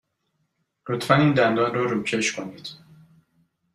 لطفاً این دندان را روکش کنید.